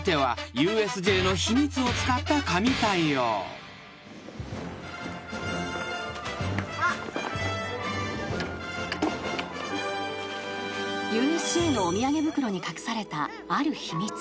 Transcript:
［ＵＳＪのお土産袋に隠されたある秘密］